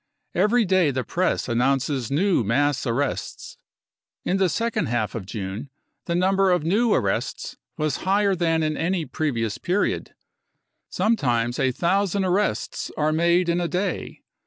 Every day the Press announces new mass arrests. In the second half of June the number of new arrests was higher than in any previous period. Sometimes a thousand arrests are made in a day.